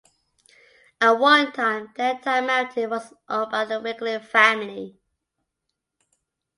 At one time the entire mountain was owned by the Wigley family.